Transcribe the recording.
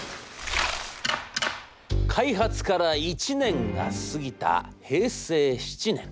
「開発から１年が過ぎた平成７年。